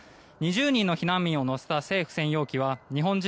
２０人の避難民を乗せた政府専用機は日本